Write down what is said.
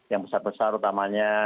yang besar besar utamanya